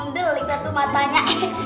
eh mendeling gatuh matanya